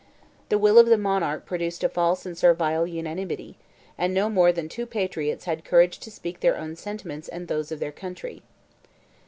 The will of the monarch produced a false and servile unanimity, and no more than two patriots had courage to speak their own sentiments and those of their country.